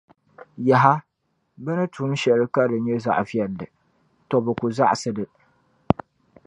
Yaha! Bɛ ni tum shɛlika di nyɛ zaɣivɛlli, tɔ! Bɛ ku zaɣisi li.